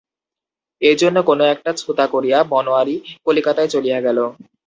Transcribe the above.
এইজন্য কোনো একটা ছুতা করিয়া বনোয়ারি কলিকাতায় চলিয়া গেল।